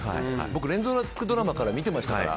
僕連続ドラマから見てましたから。